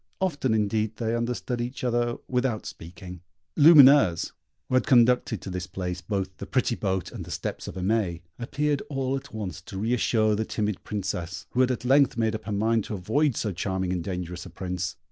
Often, indeed, they understood each other without speaking. Lumineuse, who had conducted to this place both the pretty boat and the steps of Aimée, appeared all at once to re assure the timid Princess, who had at length made up her mind to avoid so charming and dangerous a Prince.